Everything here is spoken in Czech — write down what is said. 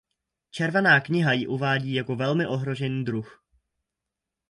Červená kniha ji uvádí jako velmi ohrožený druh.